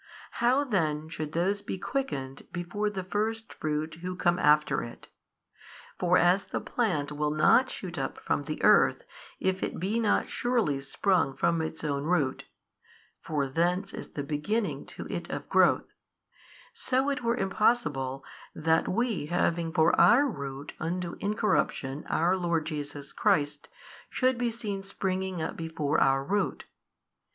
How then should those be quickened before the Firstfruit who come after It? For as the plant will |550 not shoot up from the earth, if it be not surely sprung from its own root (for thence is the beginning to it of growth): so it were impossible that we having for our root unto incorruption our Lord Jesus Christ, should be seen springing up before our root.